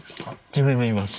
自分もいます。